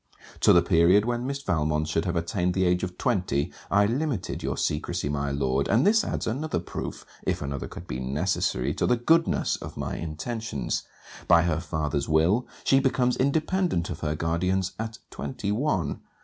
To the period when Miss Valmont should have attained the age of twenty, I limited your secresy, my Lord; and this adds another proof, if another could be necessary, to the goodness of my intentions. By her father's will, she becomes independent of her guardians at twenty one.